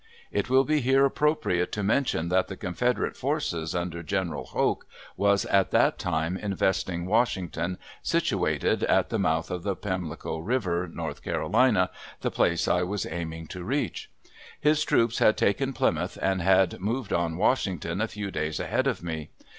It will be here appropriate to mention that the Confederate forces, under General Hoke, was at that time investing Washington, situated at the mouth of the Pamlico River, North Carolina, the place I was aiming to reach. His troops had taken Plymouth and had moved on Washington a few days ahead of me.